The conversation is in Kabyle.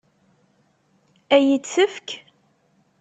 Ad iyi-t-tefk?